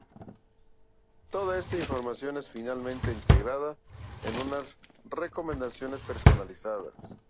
Toda esta información es finalmente integrada en unas recomendaciones personalizadas.